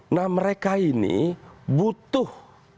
nah mereka ini butuh